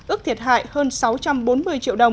ước thiệt hại hơn sáu trăm bốn mươi triệu đồng